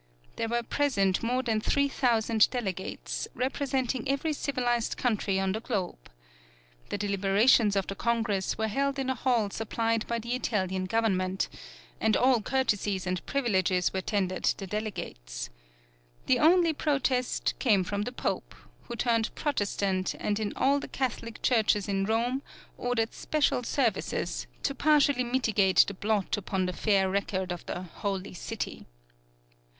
There were present more than three thousand delegates, representing every civilized country on the globe. The deliberations of the Congress were held in a hall supplied by the Italian Government, and all courtesies and privileges were tendered the delegates. The only protest came from the Pope, who turned Protestant and in all the Catholic churches in Rome ordered special services, to partially mitigate the blot upon the fair record of the "Holy City."